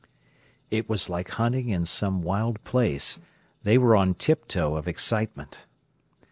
It was like hunting in some wild place. They were on tiptoe of excitement.